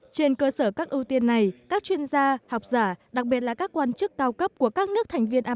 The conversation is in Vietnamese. trên cơ sở các ưu tiên này các chuyên gia học giả đặc biệt là các quan chức cao cấp của các nước thành viên